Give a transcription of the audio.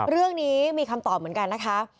เรื่องนี้มีคำตอบเหมือนกันนะคะ